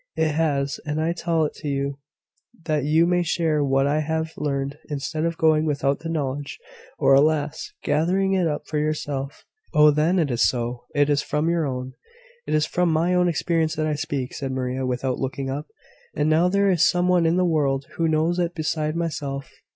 "It has; and I tell it to you, that you may share what I have learned, instead of going without the knowledge, or, alas! gathering it up for yourself." "Oh, then, it is so it is from your own " "It is from my own experience that I speak," said Maria, without looking up. "And now, there is some one in the world who knows it beside myself."